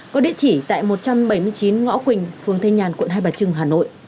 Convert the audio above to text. có địa chỉ tại một trăm bảy mươi chín ngõ quỳnh phường thanh nhàn quận hai bà trưng hà nội